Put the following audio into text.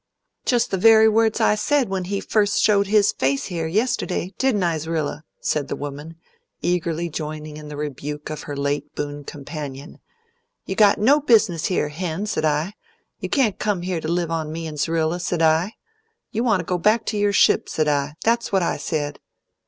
"Just the very words I said when he first showed his face here, yist'day. Didn't I, Z'rilla?" said the woman, eagerly joining in the rebuke of her late boon companion. "You got no business here, Hen, s'd I. You can't come here to live on me and Z'rilla, s'd I. You want to go back to your ship, s'd I. That's what I said."